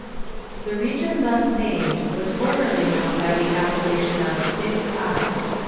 The region thus named was formerly known by the appellation of "Pig's Eye."